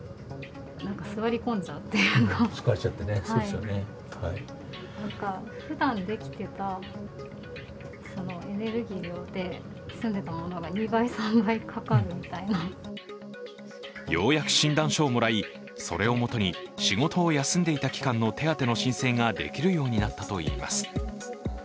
ようやく診断書をもらい、それをもとに仕事を休んでいた期間の手当の申請ができるようになったといいます。